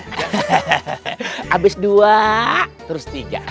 habis dua terus tiga